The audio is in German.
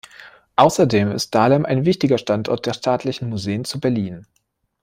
Außerdem ist Dahlem ein wichtiger Standort der Staatlichen Museen zu Berlin.